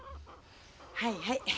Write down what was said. はいはい。